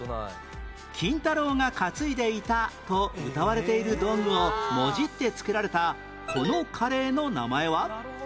金太郎が担いでいたとうたわれている道具をもじってつけられたこのカレーの名前は？